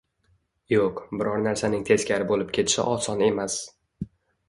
Yo‘q, biror narsaning teskari bo‘lib ketishi oson emas.